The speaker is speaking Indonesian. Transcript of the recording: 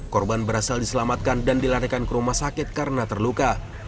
korban berhasil diselamatkan dan dilarikan ke rumah sakit karena terluka